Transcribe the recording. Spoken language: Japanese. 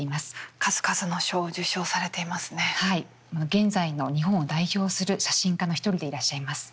現在の日本を代表する写真家の一人でいらっしゃいます。